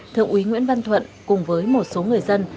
thượng úy nguyễn văn thuận cùng với một số người dân